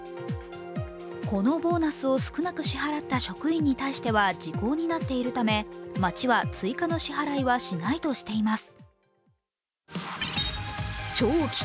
このボーナスを少なく支払った職員に対しては時効になっているため、町は追加の支払いはしないとしています。